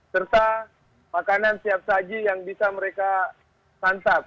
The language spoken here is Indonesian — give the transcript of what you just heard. serta makanan siap saji yang bisa mereka santap